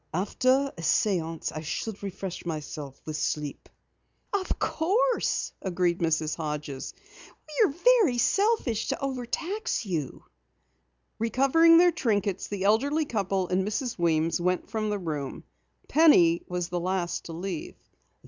After a séance I should refresh myself with sleep." "Of course," agreed Mrs. Hodges. "We are selfish to overtax you." Recovering their trinkets, the elderly couple and Mrs. Weems went from the room. Penny was the last to leave.